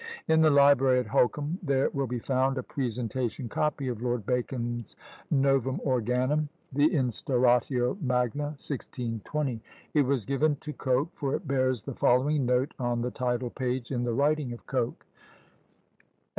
In the library at Holkham there will be found a presentation copy of Lord Bacon's Novum Organum, the Instauratio Magna, 1620. It was given to Coke, for it bears the following note on the title page, in the writing of Coke: Edw.